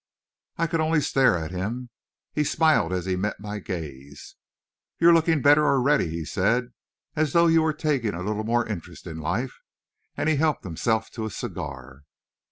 I could only stare at him. He smiled as he met my gaze. "You're looking better already," he said, "as though you were taking a little more interest in life," and he helped himself to a cigar.